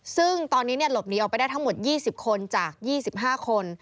ซึ่งตอนนี้หลบหนีออกไปได้ทั้งหมด๒๐คนจาก๒๕คน